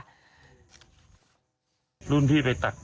โทรศัพที่ถ่ายคลิปสุดท้าย